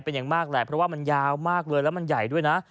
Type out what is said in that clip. เป็นอย่างมากแหละเพราะว่ามันยาวมากเลย